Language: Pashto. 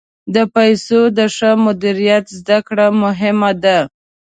د پیسو د ښه مدیریت زده کړه مهمه ده.